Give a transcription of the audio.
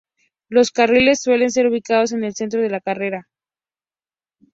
Los carriles suelen estar ubicados en el centro de la carretera.